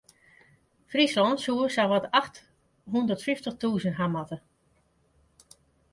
Fryslân soe sawat acht hûndert fyftich tûzen hawwe moatte.